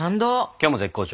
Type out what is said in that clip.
今日も絶好調。